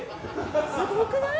すごくない？